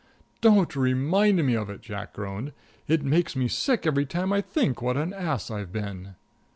"Don't remind me of it," Jack groaned. "It makes me sick every time I think what an ass I've been."